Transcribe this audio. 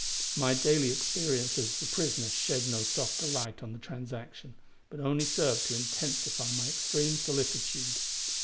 My daily experience as a prisoner shed no softer light on the transaction, but only served to intensify my extreme solicitude.